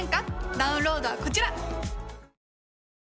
ダウンロードはこちら！